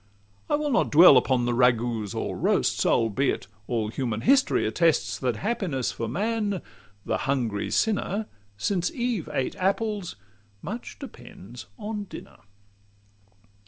I will not dwell upon ragoûts or roasts, Albeit all human history attests That happiness for man the hungry sinner! Since Eve ate apples, much depends on dinner.